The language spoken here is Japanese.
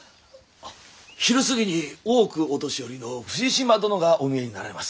昼過ぎに大奥御年寄の富士島殿がお見えになられます。